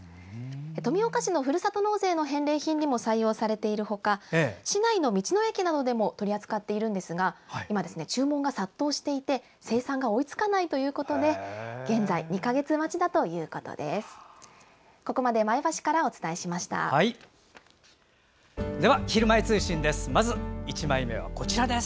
富岡市のふるさと納税の返礼品に採用されているほか市内の道の駅などでも取り扱っているんですが今、注文が殺到していて生産が追いつかないということで現在２か月待ちだということです。